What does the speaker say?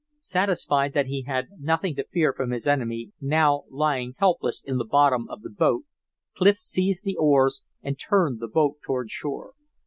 Satisfied that he had nothing to fear from his enemy, now lying helpless in the bottom of the Boat, Clif seized the oars and turned the boat toward shore.